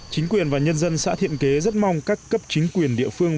chính quyền và nhân dân xã thiện kế rất mong các cấp chính quyền địa phương